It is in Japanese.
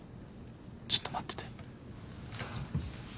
ちょっと待ってて。